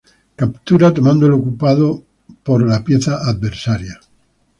Captura tomando el ocupado por la pieza adversaria.